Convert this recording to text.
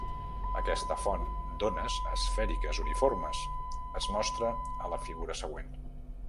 Aquesta font d'ones esfèriques uniformes es mostra a la figura següent.